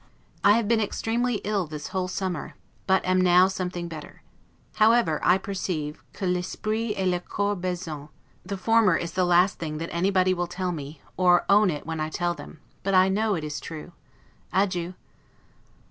I have been extremely ill this whole summer; but am now something better. However, I perceive, 'que l'esprit et le corps baissent'; the former is the last thing that anybody will tell me; or own when I tell it them; but I know it is true. Adieu.